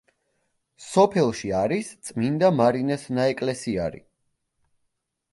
სოფელში არის წმინდა მარინეს ნაეკლესიარი.